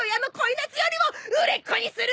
夏よりも売れっ子にするわよ！